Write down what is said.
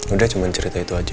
udah cuma cerita itu aja